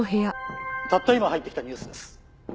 たった今入ってきたニュースです。